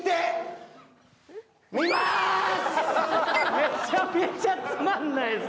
めちゃめちゃつまんないです。